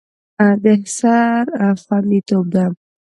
د سر خوندیتوب ده.